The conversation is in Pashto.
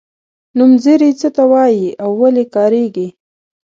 نومځري څه ته وايي او ولې کاریږي.